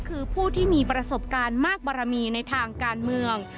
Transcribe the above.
คือผู้ที่มีประสบการณ์มากบารมีในทางการเมือง